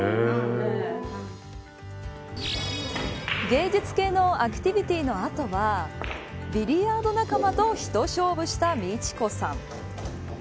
芸術系のアクティビティーの後はビリヤード仲間と一勝負した道子さん。